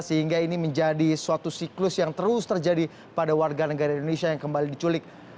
sehingga ini menjadi suatu siklus yang terus terjadi pada warga negara indonesia yang kembali diculik